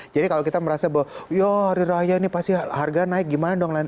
jadi kalau kita merasa bahwa ya hari raya ini pasti harga naik gimana dong